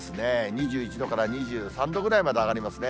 ２１度から２３度ぐらいまで上がりますね。